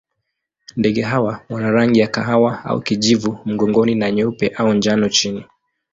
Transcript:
Ndege hawa wana rangi ya kahawa au kijivu mgongoni na nyeupe au njano chini.